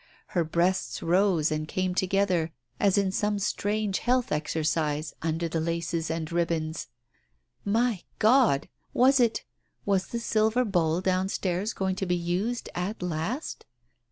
Her breasts rose and came together, as in some strange health exercise, under the laces and ribbons. •.. My God ! Was it ? Was the silver bowl down stairs going to be used at last